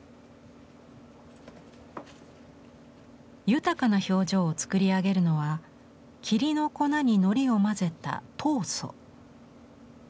豊かな表情を作り上げるのは桐の粉にのりを混ぜた「桐塑」。